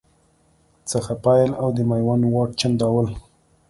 څخه پیل او د میوند واټ، چنداول